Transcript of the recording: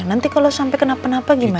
nanti kalau sampai kenapa kenapa gimana